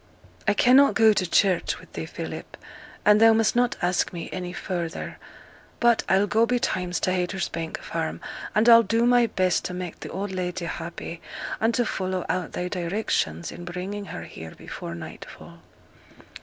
'I cannot go to church wi' thee, Philip; and thou must not ask me any further. But I'll go betimes to Haytersbank Farm, and I'll do my best to make the old lady happy, and to follow out thy directions in bringing her here before nightfall.'